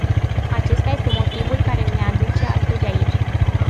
Acesta este motivul care ne aduce astăzi aici.